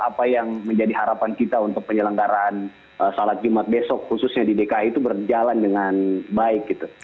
apa yang menjadi harapan kita untuk penyelenggaran salat jumat besok khususnya di dki itu berjalan dengan baik gitu